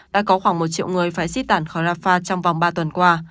đã có khoảng một triệu người phải di tản khỏi rafah trong vòng ba tuần qua